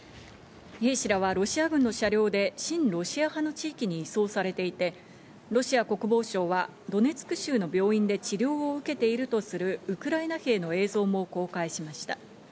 兵士らはロシア軍の車両で親ロシア派の地域に移送されていて、ロシア国防省はドネツク州の病院で治療を受けているとするウクライナ兵の映像も公開しました。